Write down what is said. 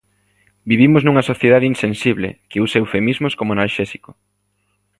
Vivimos nunha sociedade insensible que usa eufemismos como analxésico